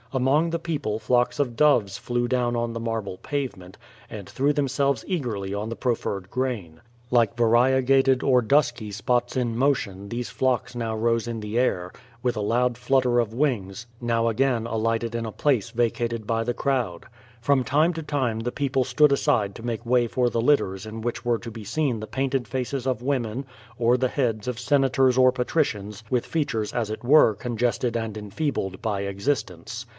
Among the people flocks of doves flew down on the marble pavement, and threw themselves eagerly on the proffered grain; like variegated or dusky spots in motion these flocks now rose in the air, with a loud flutter of wings, now again alighted in a place vacated by the crowd. From 20 Q^O VADIS. time to time the people stood aside to make way for the litters in which were to be seen the painted faces of women, or the heads of senators or patricians with features as it were congested and enfeebled by existence.